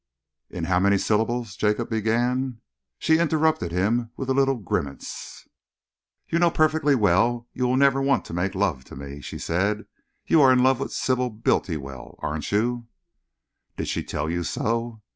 "In how many syllables," Jacob began She interrupted him with a little grimace. "You know perfectly well you will never want to make love to me," she said. "You are in love with Sybil Bultiwell, aren't you?" "Did she tell you so?"